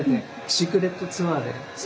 シークレットツアーで。